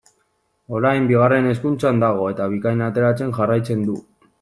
Orain Bigarren Hezkuntzan dago eta Bikain ateratzen jarraitzen du.